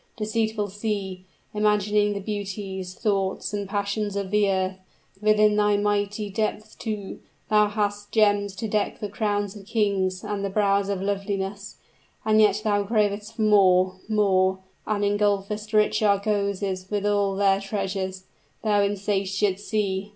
Deceitful sea imaging the beauties, thoughts, and passions of the earth! Within thy mighty depths, too, thou hast gems to deck the crowns of kings and the brows of loveliness; and yet thou cravest for more more and engulfest rich argosies with all their treasures thou insatiate sea!